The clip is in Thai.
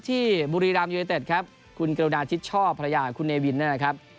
ที่บุรีรามยูเลเต็ดครับคุณเกลวนาทิศชอบพระยาคุณเนวินนะครับ